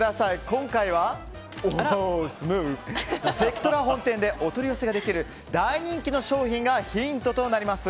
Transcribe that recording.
今回は関とら本店でお取り寄せができる大人気の商品がヒントとなります。